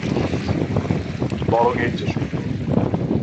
বরং এর চেয়ে সুন্দর।